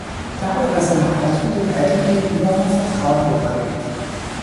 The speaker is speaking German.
Dabei war seine Haltung den Eltern gegenüber von Vertrauen geprägt.